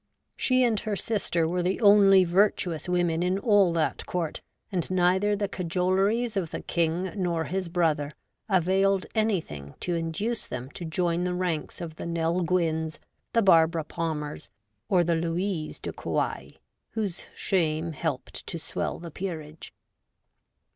She and her sister were the only virtuous women in all that court, and neither the cajoleries of the King nor his brother availed anything [to induce them to join the ranks of the Nell Gwynnes, the Barbara Palmers, or the Louise de Querouaille, whose shame helped to swell the peerage.